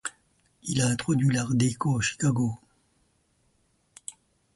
Il a introduit l'art déco à Chicago.